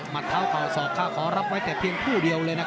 มันก็ยังได้เฮนะ